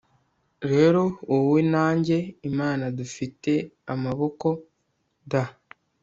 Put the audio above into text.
rero wowe na njye, imana dufite amaboko'd